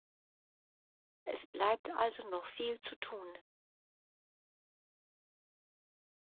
Es bleibt also noch viel zu tun.